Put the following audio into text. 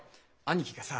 兄貴がさ